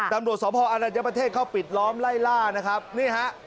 ตำรวจสพอรัญญประเทศเข้าปิดล้อมไล่ล่านะครับนี่ฮะ